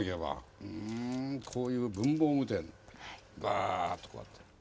こういう文房具バーッとこうやって。